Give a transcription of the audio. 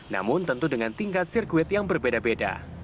namun tentu dengan tingkat sirkuit yang berbeda beda